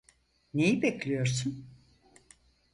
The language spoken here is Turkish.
Neyi bekliyorsun?